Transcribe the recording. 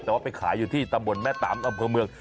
แต่ว่าไปขายอยู่ที่ตำบลแม่ตำอำเภอเมือง